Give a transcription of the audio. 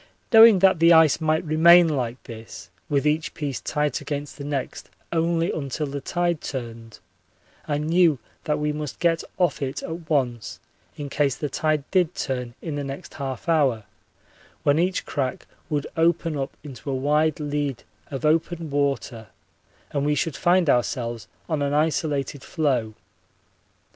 Knowing that the ice might remain like this with each piece tight against the next only until the tide turned, I knew that we must get off it at once in case the tide did turn in the next half hour, when each crack would open up into a wide lead of open water and we should find ourselves on an isolated floe.